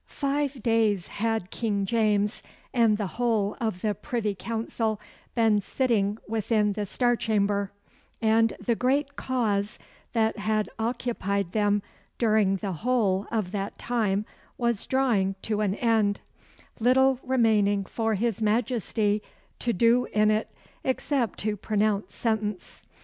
Five days had King James and the whole of the Privy Council been sitting within the Star Chamber; and the great cause that had occupied them during the whole of that time was drawing to an end little remaining for his Majesty to do in it, except to pronounce sentence.